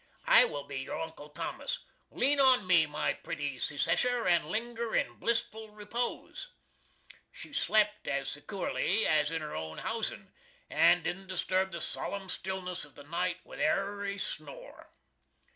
I will be your Uncle Thomas! Lean on me, my pretty Secesher, and linger in Blissful repose!" She slept as secoorly as in her own housen, and didn't disturb the sollum stillness of the night with 'ary snore!